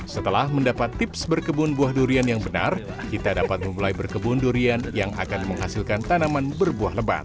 setelah mendapat tips berkebun buah durian yang benar kita dapat memulai berkebun durian yang akan menghasilkan tanaman berbuah lebat